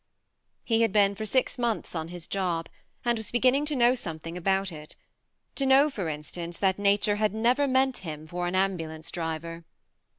" He had been for six months on his job, and was beginning to know some thing about it : to know, for instance, that nature had never meant him for an ambulance driver.